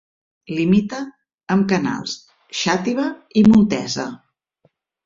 Limita amb Canals, Xàtiva i Montesa.